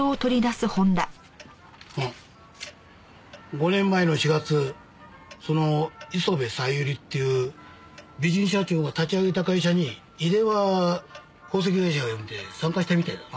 ５年前の４月その磯部小百合っていう美人社長が立ち上げた会社に井出は宝石会社を辞めて参加したみたいだな。